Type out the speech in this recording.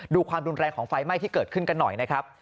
ความรุนแรงของไฟไหม้ที่เกิดขึ้นกันหน่อยนะครับ